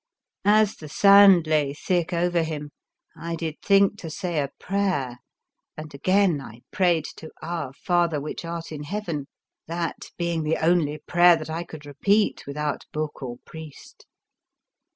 As the sand lay thick over him, I did think to say a prayer, and again I prayed to '■ Our Father which art in Heaven," that being the 99 The Fearsome Island only prayer that I could repeat without book or priest.